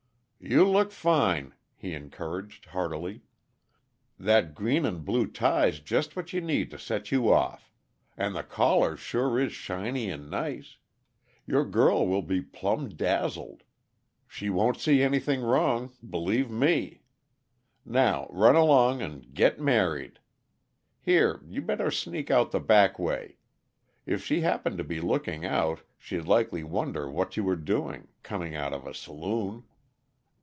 "You look fine!" he encouraged heartily. "That green and blue tie's just what you need to set you off. And the collar sure is shiny and nice your girl will be plumb dazzled. She won't see anything wrong believe me. Now, run along and get married. Here, you better sneak out the back way; if she happened to be looking out, she'd likely wonder what you were doing, coming out of a saloon.